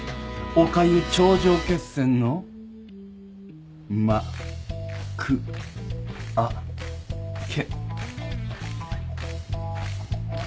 おかゆ頂上決戦のま・く・あ・け。